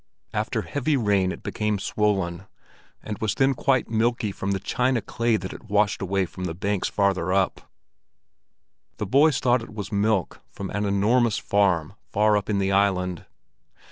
After heavy rain it became swollen, and was then quite milky from the china clay that it washed away from the banks farther up. The boys thought it was milk from an enormous farm far up in the island.